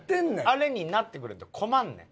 あれになってくれんと困んねん。